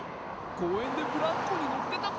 こうえんでブランコにのってたこ。